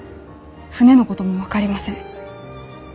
船のことも分かりません。